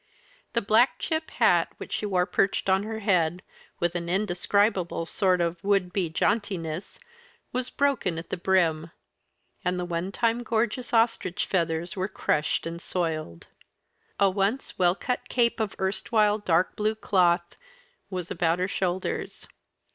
The black chip hat which she wore perched on her head, with an indescribable sort of would be jauntiness, was broken at the brim, and the one time gorgeous ostrich feathers were crushed and soiled. A once well cut cape of erstwhile dark blue cloth was about her shoulders.